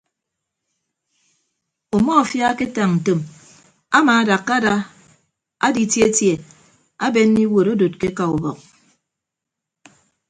Umọfia aketañ ntom amaadakka ada aditietie abenne iwuud adod ke eka ubọk.